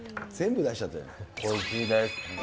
おいしいです。